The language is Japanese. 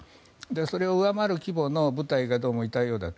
それを上回る規模の部隊がいたようだと。